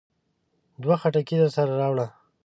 دوه خټکي درسره راوړه.